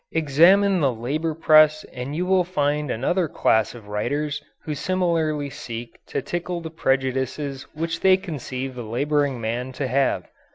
Examine the labour press and you will find another class of writers who similarly seek to tickle the prejudices which they conceive the labouring man to have.